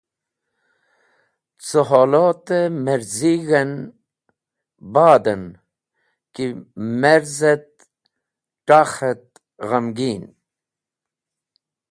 Cẽ holot-e merzig̃h en badon ki merz et t̃akh et ghamgin.